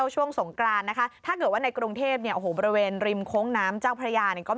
ช่วงสงกรานใช่ไหม